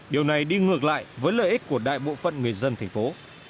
điều này đi ngược lại với lợi ích của đại bộ phận người dân thành phố